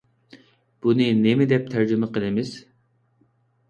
بۇنى نېمە دەپ تەرجىمە قىلىمىز؟